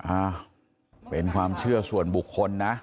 อ้าวเป็นความเชื่อส่วนบุคคลนะ